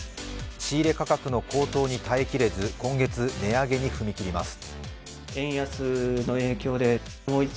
仕入れ価格の高騰に耐えきれず今月値上げに踏み切ります。